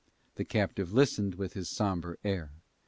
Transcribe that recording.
The captive listened with his sombre air.